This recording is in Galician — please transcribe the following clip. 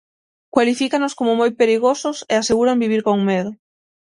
Cualifícanos como moi perigosos e aseguran vivir con medo.